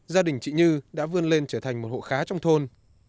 gia đình chị như đã vươn lên trở thành một hộ khá trong thôn